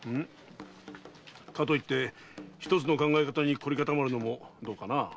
かといって一つの考え方に凝り固まるのもどうかな？